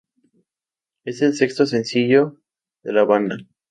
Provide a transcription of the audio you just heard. Es el sexto sencillo de la banda.